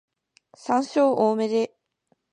山椒多めで